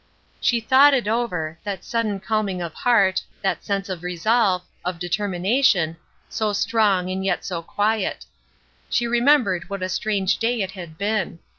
She thought it over that sudden calming of heart that sense of resolve of determination, so strong, and yet so quiet. She remembered what a strange day it had been.